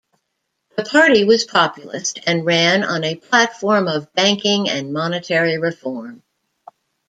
The party was populist and ran on a platform of banking and monetary reform.